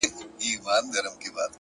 هر منزل د نویو مسئولیتونو پیل دی.!